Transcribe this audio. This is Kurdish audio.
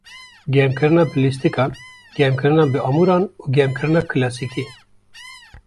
Germkirina bi lîstikan, germkirina bi amûran û germkirina kilasîkî.